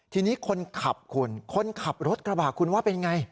ทีนี้คนขับคุณคนขับรถกระบะคุณว่าเป็นไง